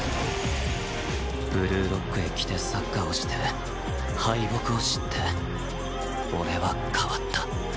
ブルーロックへ来てサッカーをして敗北を知って俺は変わった